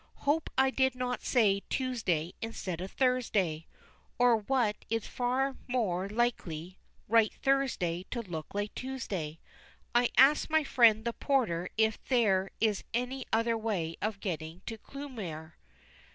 Hope I did not say Tuesday instead of Thursday, or what is far more likely, write Thursday to look like Tuesday. I ask my friend the porter if there is any other way of getting to Clewmere.